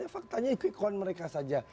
ya faktanya ikon mereka saja